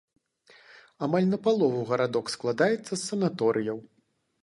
Амаль напалову гарадок складаецца з санаторыяў.